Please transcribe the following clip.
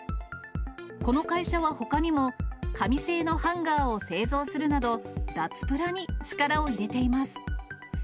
この会社はほかにも、紙製のハンガーを製造するなど、脱プラに力を入れています。